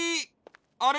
あれ？